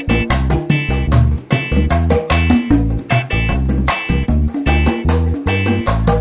nanti pegangnya boleh agak lama